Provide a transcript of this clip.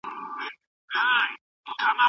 موږ به فساد کم کړو.